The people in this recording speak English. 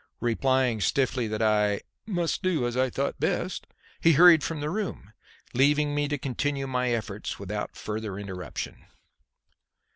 Replying stiffly that I "must do as I thought best," he hurried from the room, leaving me to continue my efforts without further interruption.